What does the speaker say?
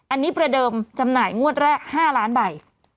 อันนี้ประเดิมจำหน่ายงวดแรก๕ล้านใบ